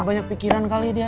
banyak pikiran kali dia